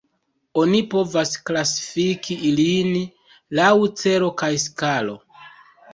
Oni povas klasifiki ilin laŭ celo kaj skalo.